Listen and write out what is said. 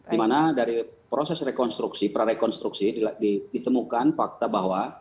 dimana dari proses rekonstruksi prarekonstruksi ditemukan fakta bahwa